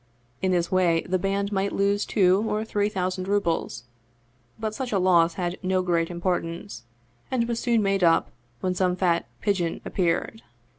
In this way the band might lose two or three thousand rubles, but such a loss had no great importance, and was soon made up when some fat " pigeon " appeared.